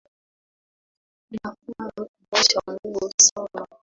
Tunafaa kumcha Mungu sana